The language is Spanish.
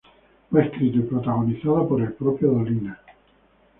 Fue escrito y protagonizado por el propio Dolina.